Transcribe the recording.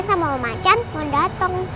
sama mama can mau datang